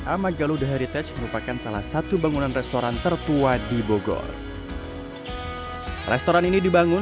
amagaluda heritage merupakan salah satu bangunan restoran tertua di bogor restoran ini dibangun